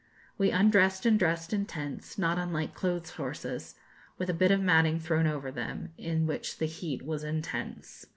We undressed and dressed in tents, not unlike clothes horses, with a bit of matting thrown over them, in which the heat was intense.